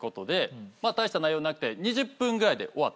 まあ大した内容なくて２０分ぐらいで終わったんです。